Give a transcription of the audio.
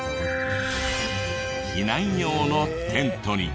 避難用のテントに。